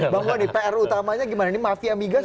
bangun ini pr utamanya gimana ini mafia migas